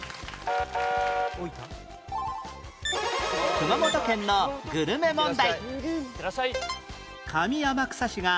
熊本県のグルメ問題